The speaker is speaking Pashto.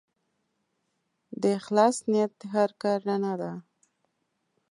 د اخلاص نیت د هر کار رڼا ده.